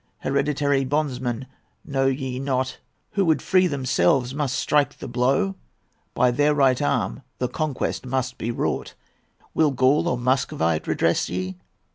Hereditary bondsmen! know ye not Who would be free themselves must strike the blow? By their right arm the conquest must be wrought. Will Gaul or Muscovite redress ye?